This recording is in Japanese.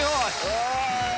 お！